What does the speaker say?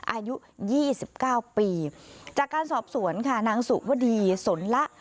อายุยี่สิบเก้าปีจากการสอบสวนค่ะนางสุวดีสนละ